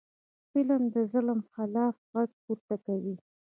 فلم د ظلم خلاف غږ پورته کوي